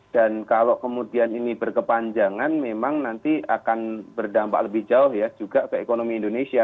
dan kalau kemudian ini berkepanjangan memang nanti akan berdampak lebih jauh ya juga ke ekonomi indonesia